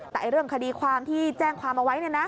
แต่เรื่องคดีความที่แจ้งความเอาไว้